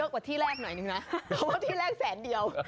กว่าที่แรกหน่อยนึงนะเพราะว่าที่แรกแสนเดียว